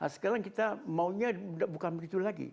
sekarang kita maunya bukan begitu lagi